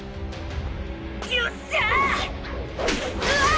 よっしゃぁ！